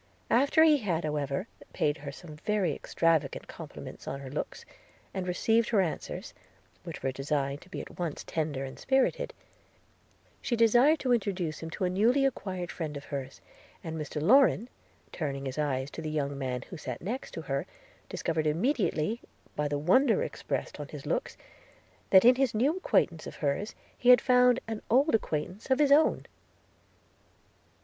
After he had however paid her some very extravagant compliments on her looks, and received her answers, which were designed to be at once tender and spirited, she desired to introduce him to a newly acquired friend of hers; and Mr Lorrain, turning his eyes to the young man who sat next her, discovered immediately, by the wonder expressed in his looks, that in this new acquaintance of hers, he had found an old acquaintance of his own.